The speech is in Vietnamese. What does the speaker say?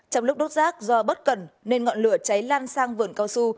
trong lúc đốt rác do bất cần nên ngọn lửa cháy lan sang vườn cao su